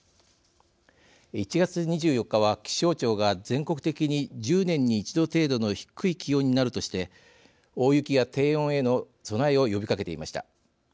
１月２４日は気象庁が全国的に１０年に１度程度の低い気温になるとして大雪や低温への備えを呼びかけていました。